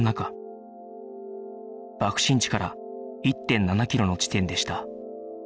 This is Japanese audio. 爆心地から １．７ キロの地点でした